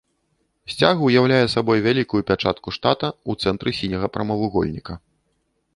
Сцяг уяўляе сабой вялікую пячатку штата ў цэнтры сіняга прамавугольніка.